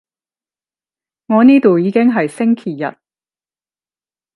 我呢度已經係星期日